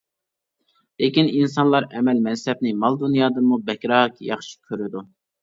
لېكىن، ئىنسانلار ئەمەل-مەنسەپنى مال-دۇنيادىنمۇ بەكرەك ياخشى كۆرىدۇ.